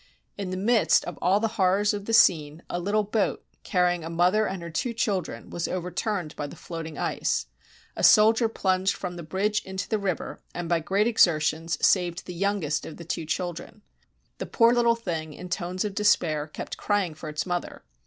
In the midst of all the horrors of the scene, a little boat, carrying a mother and her two children, was over turned by the floating ice. A soldier plunged from the bridge into the river, and, by great exertions, saved the yoimgest of the two children. The poor little thing, in tones of despair, kept crying for its mother.